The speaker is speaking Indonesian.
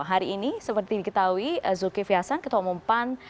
hari ini seperti diketahui zulkif yasang ketua umum pan